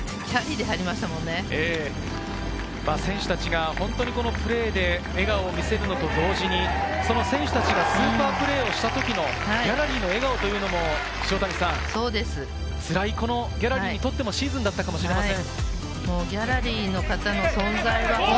選手たちが本当にプレーで笑顔を見せるのと同時に選手たちがスーパープレーをした時のギャラリーの笑顔もギャラリーにとってのシーズンだったかもしれません。